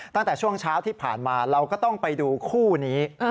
ตั้งแต่ช่วงเช้าที่ผ่านมาเราก็ต้องไปดูคู่นี้